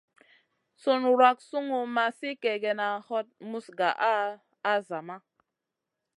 Sùn wrak sungu ma sli kègèna, hot muz gaʼa a zama.